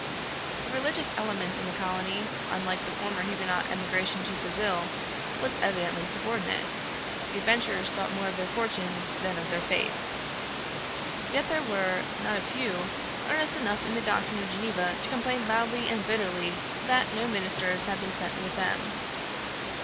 The religious element in the colony unlike the former Huguenot emigration to Brazil was evidently subordinate. The adventurers thought more of their fortunes than of their faith; yet there were not a few earnest enough in the doctrine of Geneva to complain loudly and bitterly that no ministers had been sent with them.